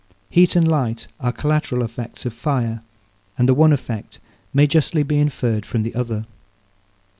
Heat and light are collateral effects of fire, and the one effect may justly be inferred from the other.